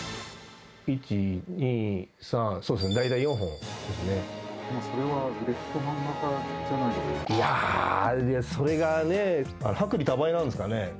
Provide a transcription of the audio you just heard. １、２、３、そうですね、それは売れっ子漫画家じゃないやー、それがね、薄利多売なんですかね。